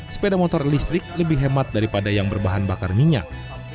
sepeda motor listrik lebih hemat daripada yang berbahan bakar minyak